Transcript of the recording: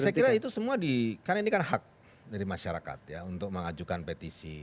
saya kira itu semua di karena ini kan hak dari masyarakat ya untuk mengajukan petisi